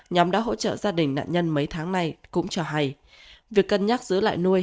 nhóm đã hỗ trợ gia đình nạn nhân mấy tháng nay cũng cho hay việc cân nhắc giữ lại nuôi